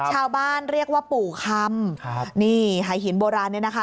ชาวบ้านเรียกว่าปู่คำครับนี่หายหินโบราณเนี่ยนะคะ